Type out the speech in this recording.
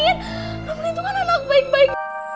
roman itu kan anak baik baik